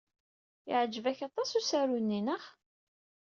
Yeɛjeb-ak aṭas usaru-nni, naɣ?